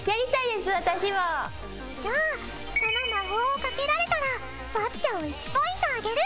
じゃあその魔法をかけられたらワッチャ！を１ポイントあげる。